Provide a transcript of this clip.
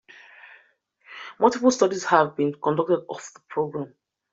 Multiple studies have been conducted of the program.